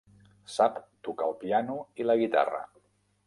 Sap tocar el piano i la guitarra.